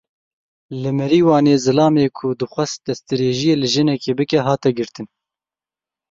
Li Merîwanê zilamê ku dixwest destdirêjiyê li jinekê bike hat girtin.